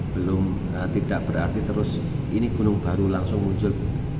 belum tidak berarti terus ini gunung baru langsung muncul